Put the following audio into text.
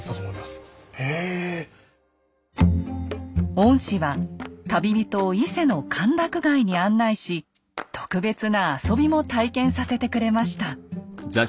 御師は旅人を伊勢の歓楽街に案内し特別な遊びも体験させてくれました。